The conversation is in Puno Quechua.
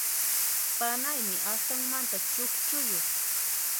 Panaymi astanmanta chukchuyuq.